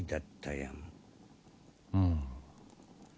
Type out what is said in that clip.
うん。